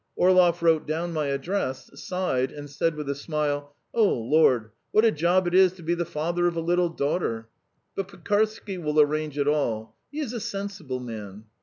Orlov wrote down my address, sighed, and said with a smile: "Oh, Lord, what a job it is to be the father of a little daughter! But Pekarsky will arrange it all. He is a sensible man.